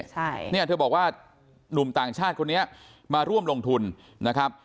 ใช่เนี่ยเธอบอกว่าหนุ่มต่างชาติคนนี้มาร่วมลงทุนนะครับ